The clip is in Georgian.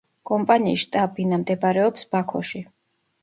კომპანიის შტაბ-ბინა მდებარეობს ბაქოში.